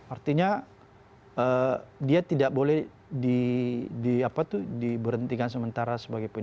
artinya dia tidak boleh diberhentikan sementara